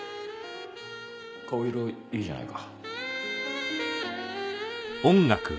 顔色いいじゃないか。